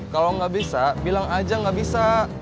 kalau enggak bisa bilang aja enggak bisa